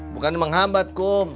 bukan menghambat kum